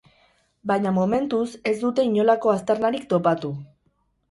Baina momentuz, ez dute inolako aztarnarik topatu.